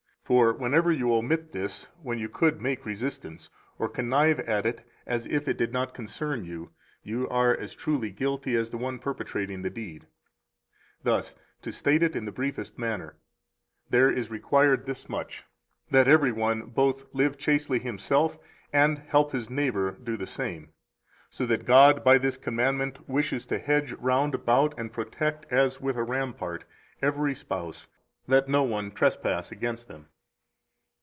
For whenever you omit this when you could make resistance, or connive at it as if it did not concern you, you are as truly guilty as the one perpetrating the deed. 205 Thus, to state it in the briefest manner, there is required this much, that every one both live chastely himself and help his neighbor do the same, so that God by this commandment wishes to hedge round about and protect [as with a rampart] every spouse that no one trespass against them.